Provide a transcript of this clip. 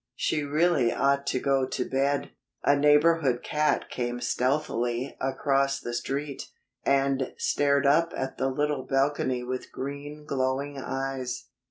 She really ought to go to bed. A neighborhood cat came stealthily across the Street, and stared up at the little balcony with green glowing eyes.